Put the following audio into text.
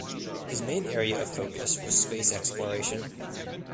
His main area of focus was space exploration.